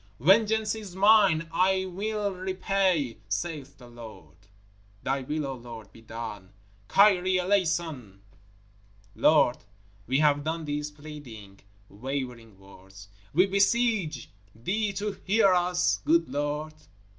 Vengeance is mine; I mill repay, saith the Lord! Thy will, O Lord, be done! Kyrie Eleison! Lord, we have done these pleading, wavering words. _We beseech Thee to hear us, good Lord!